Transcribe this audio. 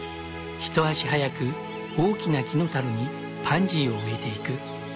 一足早く大きな木のたるにパンジーを植えていく。